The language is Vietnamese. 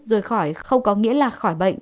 rồi khỏi không có nghĩa là khỏi bệnh